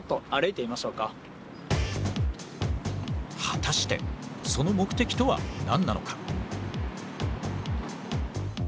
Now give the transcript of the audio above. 果たしてその目的とは何なのか。